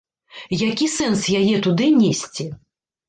Які сэнс яе туды несці.